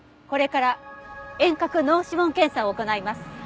これから遠隔脳指紋検査を行います。